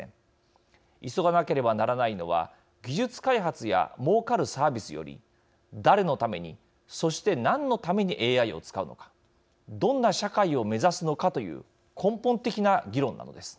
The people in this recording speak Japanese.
急がなければならないのは技術開発やもうかるサービスより誰のためにそして何のためにＡＩを使うのかどんな社会を目指すのかという根本的な議論なのです。